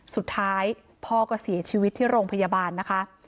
สุดท้ายพ่อก็เสียชีวิตที่โรงพยาบาลนะคะ